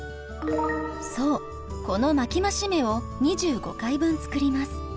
そうこの巻き増し目を２５回分作ります。